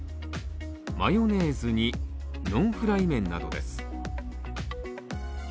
マヨネーズに、ノンフライ麺などです。